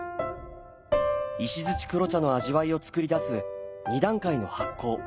石黒茶の味わいをつくり出す２段階の発酵。